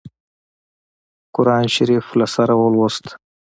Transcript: قرآن شریف له سره ولووست.